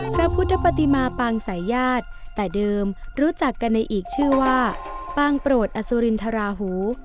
พระพุทธปฏิมาปางสายญาติแต่เดิมรู้จักกันในอีกชื่อว่าปางโปรดอสุรินทราหู